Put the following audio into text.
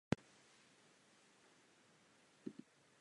Začnou spolu intimní vztah.